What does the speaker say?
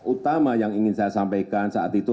utama yang ingin saya sampaikan saat itu